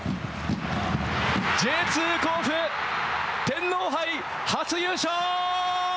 Ｊ２甲府、天皇杯初優勝。